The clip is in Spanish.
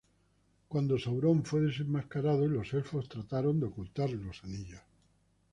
Cuando Sauron fue desenmascarado y los Elfos trataron de ocultar los anillos.